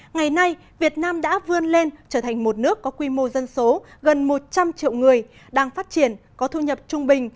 ngày nay việt nam đã vươn lên trở thành một nước có quy mô dân số gần một trăm linh triệu người đang phát triển có thu nhập trung bình